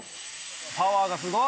パワーがすごい！